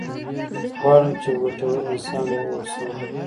غواړم چې یو ګټور انسان واوسم.